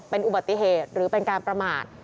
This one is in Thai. เป็นอุบัติเหตุหรือเป็นการประมาท